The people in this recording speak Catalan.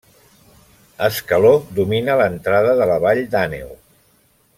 Escaló domina l'entrada de la Vall d'Àneu.